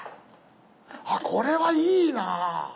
あっこれはいいな！